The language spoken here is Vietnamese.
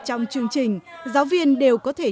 trong chương trình giáo viên đều có thể